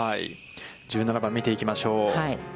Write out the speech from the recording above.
１７番、見ていきましょう。